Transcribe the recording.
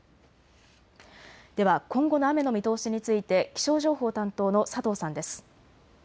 では今後の雨の見通しについて気象情報担当の佐藤さんです。